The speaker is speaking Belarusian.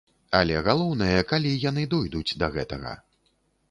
Але галоўнае, калі яны дойдуць да гэтага.